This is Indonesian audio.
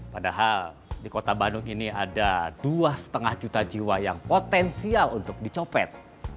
padahal di kota bandung ini ada dua lima juta jiwa yang potensial untuk dicopet